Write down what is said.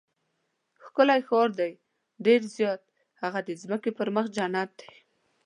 ښکلی ښار دی؟ ډېر زیات، هغه د ځمکې پر مخ جنت دی.